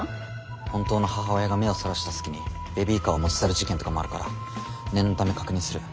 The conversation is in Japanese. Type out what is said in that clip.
本当の母親が目をそらした隙にベビーカーを持ち去る事件とかもあるから念のため確認する。